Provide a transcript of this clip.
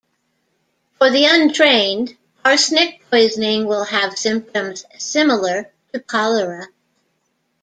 For the untrained, arsenic poisoning will have symptoms similar to cholera.